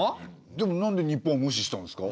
でもなんで日本は無視したんですか？